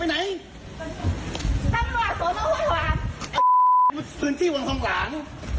ไอ้มันพื้นที่วังทองหลาง